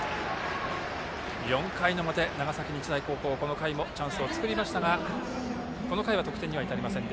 ４回の表、長崎日大高校この回もチャンスを作りましたがこの回は得点には至りません。